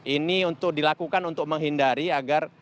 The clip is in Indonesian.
ini untuk dilakukan untuk menghindari agar